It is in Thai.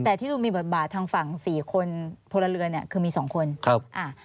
แต่ที่ดูมีบทบาททางฝั่งสี่คนพลเรือนเนี่ยคือมีสองคนครับอ่า